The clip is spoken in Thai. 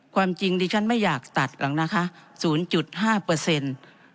ความจริงดิฉันไม่อยากตัดหลังนะคะศูนย์จุดห้าเปอร์เซ็นต์